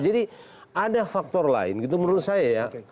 jadi ada faktor lain gitu menurut saya ya